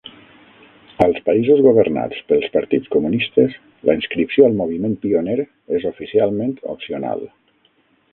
Als països governats pels partits comunistes, la inscripció al moviment pioner és oficialment opcional.